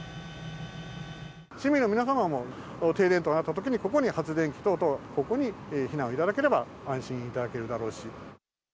市民の皆様も、停電等あったときに、ここに発電機等々、ここに避難をいただければ、安心いただけるだろうし。